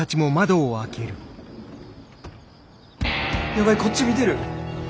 やばいこっち見てる！